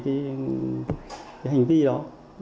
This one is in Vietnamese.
những cái hành vi đó